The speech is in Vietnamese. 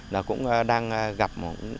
là cũng đang gặp